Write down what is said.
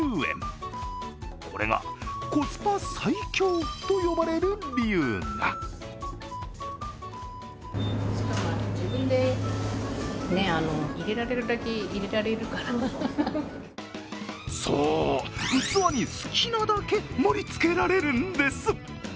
これがコスパ最強と呼ばれる理由がそう、器に好きなだけ盛りつけられるんです。